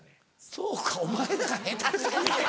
そうかお前らが下手過ぎや！